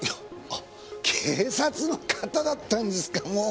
警察の方だったんですかもう。